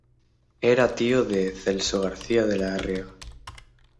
Era tío de Celso García de la Riega.